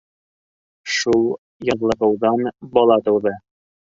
Шул яҙлығыуҙан бала тыуҙы.